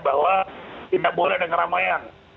bahwa tidak boleh dengan ramayan